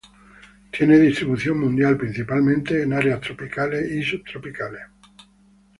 Tiene distribución mundial, principalmente en áreas tropicales y subtropicales.